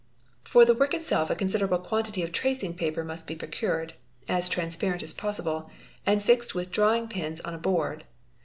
For the work itself a considerable quantity of tracing paper must be procured (as transparent as possible) and fixed with drawing pins on a board.